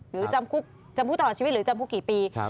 หรือจำคุกจำคุกตลอดชีวิตหรือจำคุกกี่ปี